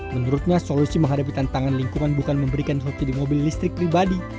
menurutnya solusi menghadapi tantangan lingkungan bukan memberikan hoki di mobil listrik pribadi